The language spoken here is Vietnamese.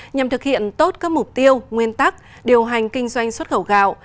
nhằm thực hiện tốt các mục tiêu nguyên tắc điều hành kinh doanh xuất khẩu gạo